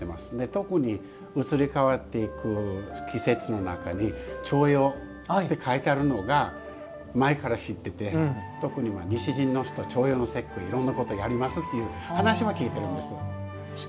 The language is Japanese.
特に移り変わっていく季節の中に重陽って書いてあるのが前から知ってて特に西陣と重陽の節句いろんなことやりますっていうことは聞いているんです。